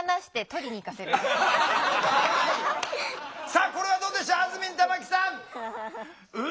さあこれはどうでしょう？